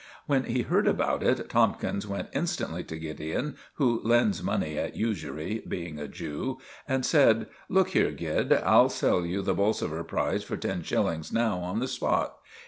When he heard about it, Tomkins went instantly to Gideon, who lends money at usury, being a Jew, and said, "Look here, Gid., I'll sell you the 'Bolsover' prize for ten shillings now on the spot.